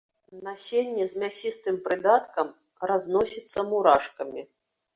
Насенне з мясістым прыдаткам, разносіцца мурашкамі.